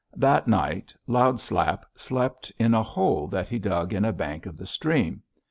"That night Loud Slap slept in a hole that he dug in a bank of the stream.